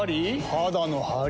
肌のハリ？